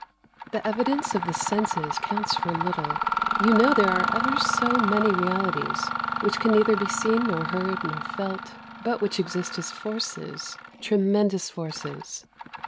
The evidence of the senses counts for little: you know there are ever so many reahties which can neither be seen nor heard nor felt, but which exist as forces, — tre mendous forces.